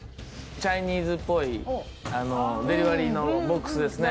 チャイニーズっぽいデリバリーのボックスですね